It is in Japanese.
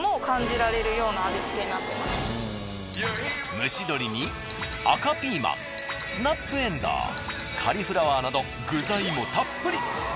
蒸し鶏に赤ピーマンスナップエンドウカリフラワーなど具材もたっぷり。